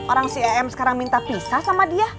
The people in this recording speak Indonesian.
orang si em sekarang minta pisah sama dia